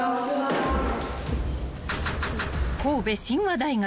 ［神戸親和大学